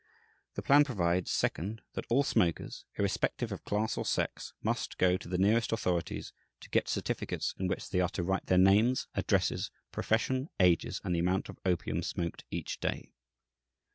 The plan provides (second) that "all smokers, irrespective of class or sex, must go to the nearest authorities to get certificates, in which they are to write their names, addresses, profession, ages, and the amount of opium smoked each day."